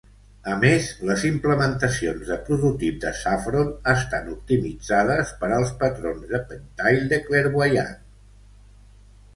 A més, les implementacions de prototip de Saffron estan optimitzades per als patrons de PenTile de Clairvoyante.